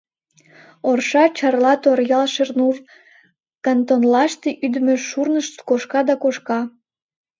Орша, Чарла, Торъял, Шернур кантонлаште ӱдымӧ шурнышт кошка да кошка.